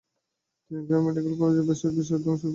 তিনি Grant Medical কলেজে ভেষজ বিষয়ে অধ্যায়ন শুরু করেন।